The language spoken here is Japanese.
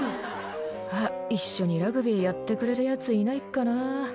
「はぁ一緒にラグビーやってくれるヤツいないかな」